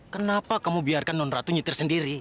kenapa kamu biarkan non ratu nyetir sendiri